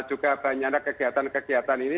juga banyaknya kegiatan kegiatan ini